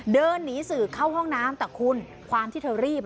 เดินหนีสื่อเข้าห้องน้ำแต่คุณความที่เธอรีบ